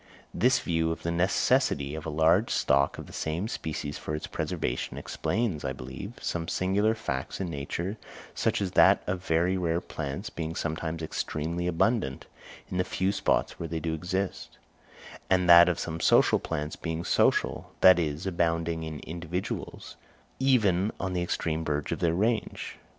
This view of the necessity of a large stock of the same species for its preservation, explains, I believe, some singular facts in nature such as that of very rare plants being sometimes extremely abundant, in the few spots where they do exist; and that of some social plants being social, that is abounding in individuals, even on the extreme verge of their range.